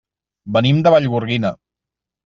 Venim de Vallgorguina.